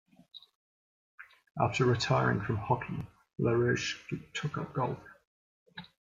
After retiring from hockey, Larouche took up golf.